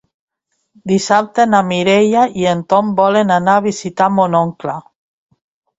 Dissabte na Mireia i en Tom volen anar a visitar mon oncle.